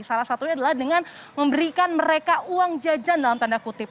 salah satunya adalah dengan memberikan mereka uang jajan dalam tanda kutip